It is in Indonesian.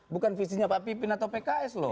bukan visinya pak pipin atau pks loh